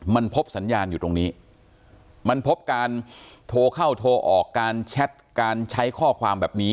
มันพบสัญญาณอยู่ตรงนี้มันพบการโทรเข้าโทรออกการแชทการใช้ข้อความแบบนี้